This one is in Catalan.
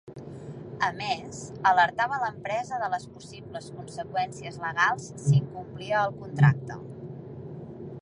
A més, alertava l’empresa de les possibles conseqüències legals si incomplia el contracte.